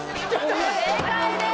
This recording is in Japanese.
不正解です